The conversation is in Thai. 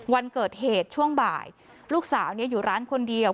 วันเกิดเหตุช่วงบ่ายลูกสาวอยู่ร้านคนเดียว